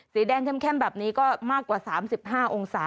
สีแดงเข้มแบบนี้ก็มากกว่า๓๕องศา